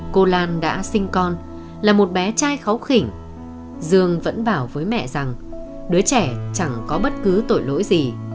con người ta khi đã sống sang dốc bên kia của cuộc đời